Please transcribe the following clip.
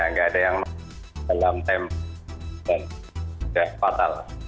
nggak ada yang nonton dalam tempoh dan udah fatal